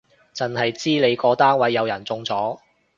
剩係知你個單位有人中咗